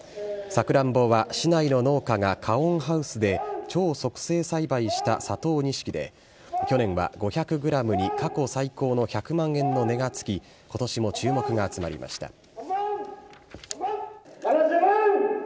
サクランボは市内の農家が加温ハウスで超促成栽培した佐藤錦で、去年は５００グラムに過去最高の１００万円の値がつき、ことしも注目が集まりました。